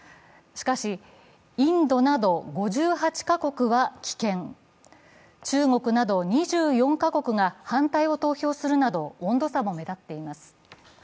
しかし、インドなど５８カ国は棄権、中国など２４カ国が反対を投票するなど温度差も目立っています。